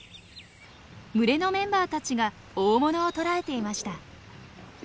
群れのメンバーたちが大物を捕らえていました。